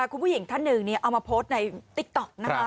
คุณผู้หญิงท่านหนึ่งเอามาโพสต์ในติ๊กต๊อกนะคะ